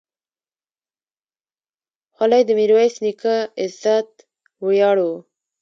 خولۍ د میرویس نیکه عزت ویاړ و.